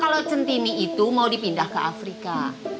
kalau centini itu mau dipindah ke afrika